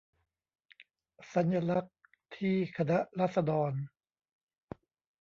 สัญลักษณ์ที่คณะราษฎร